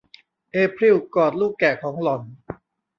เอพริลกอดลูกแกะของหล่อน